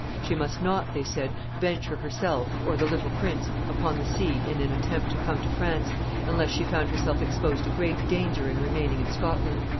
She must not, they said, venture herself, or the little prince, upon the sea in an attempt to come to France, unless she found herself exposed to great danger in remaining in Scotland.